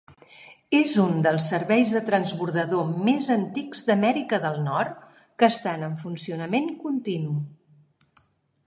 És un dels serveis de transbordador més antics d'Amèrica del Nord que estan en funcionament continu.